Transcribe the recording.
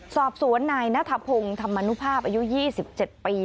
สอบสวนนายนัทพงศ์ธรรมนุภาพอายุ๒๗ปี